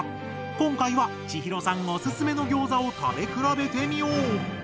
今回はちひろさんおすすめのギョーザを食べ比べてみよう！